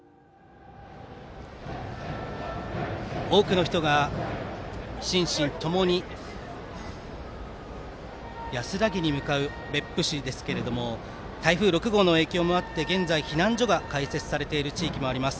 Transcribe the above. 多くの人が心身ともに安らぎに向かう別府市ですが台風６号の影響もあり現在、避難所が開設されている地域もあります。